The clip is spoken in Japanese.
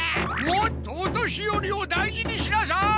もっとお年よりを大事にしなさい！